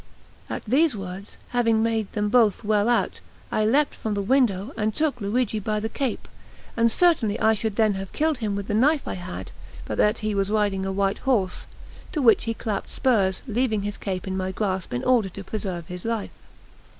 At these words, having made them both well out, I leaped from the window, and took Luigi by the cape; and certainly I should then have killed him with the knife I held, but that he was riding a white horse, to which he clapped spurs, leaving his cape in my grasp, in order to preserve his life.